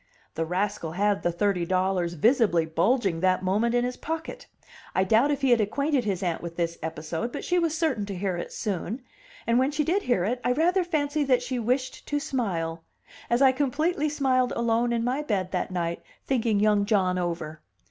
The rascal had the thirty dollars visibly bulging that moment in his pocket. I doubt if he had acquainted his aunt with this episode, but she was certain to hear it soon; and when she did hear it, I rather fancy that she wished to smile as I completely smiled alone in my bed that night thinking young John over.